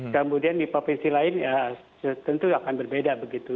kemudian di provinsi lain ya tentu akan berbeda begitu